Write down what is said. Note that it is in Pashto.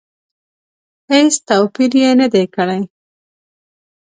هېڅ توپیر یې نه دی کړی.